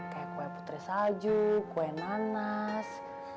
kayak kue putri salju kue nanas